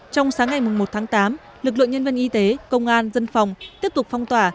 trong sáng ngày một tháng tám lực lượng nhân viên y tế công an dân phòng tiếp tục phong tỏa